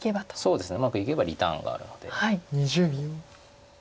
そうですねうまくいけばリターンがあるので。